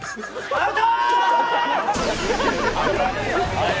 アウト！